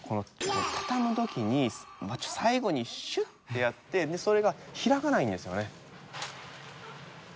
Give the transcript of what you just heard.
畳む時に最後にシュッてやってそれが開かないんですよね。